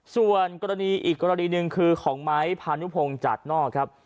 ส่วนกรณีอีกกรณีหนึ่งคือของไม้พานุพงศ์จากนอกครับ